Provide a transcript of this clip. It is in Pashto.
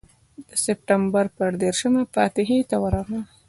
د سپټمبر پر دېرشمه فاتحې ته ورغلم.